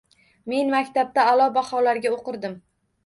Men maktabda a`lo baholarga o`qirdim